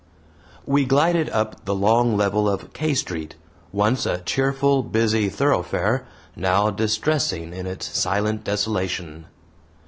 We glided up the long level of K Street once a cheerful, busy thoroughfare, now distressing in its silent desolation.